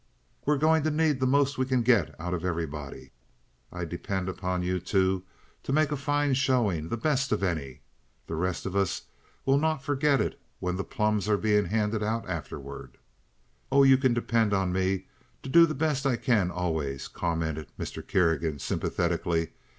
"We're going to need the most we can get out of everybody. I depend on you two to make a fine showing—the best of any. The rest of us will not forget it when the plums are being handed around afterward." "Oh, you can depend on me to do the best I can always," commented Mr. Kerrigan, sympathetically.